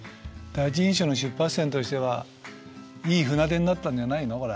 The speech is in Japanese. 第一印象の出発点としてはいい船出になったんじゃないの？